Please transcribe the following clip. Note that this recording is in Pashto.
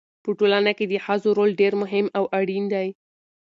په ټولنه کې د ښځو رول ډېر مهم او اړین دی.